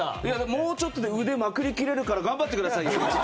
もうちょっとで腕まくり切れるから頑張ってくださいよ！